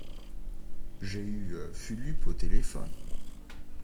j'ai eu Fulup au téléphone.